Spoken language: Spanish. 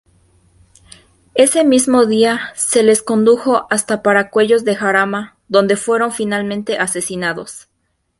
Ese mismo día se les condujo hasta Paracuellos de Jarama, donde fueron finalmente asesinados.